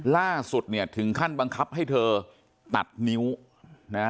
ล่าสุดเนี่ยถึงขั้นบังคับให้เธอตัดนิ้วนะฮะ